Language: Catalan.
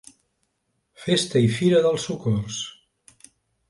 Festa i Fira del Socors.